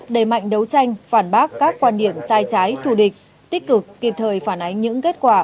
đẩy mạnh đấu tranh phản bác các quan điểm sai trái thù địch tích cực kịp thời phản ánh những kết quả